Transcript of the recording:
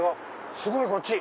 すごいこっち！